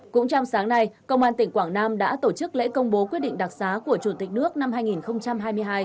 cũng trong sáng nay công an tỉnh quảng nam đã tổ chức lễ công bố quyết định đặc xá của chủ tịch nước năm hai nghìn hai mươi hai